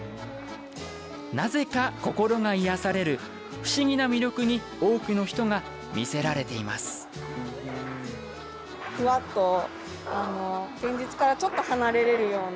なぜか、心が癒やされる不思議な魅力に多くの人が魅せられています。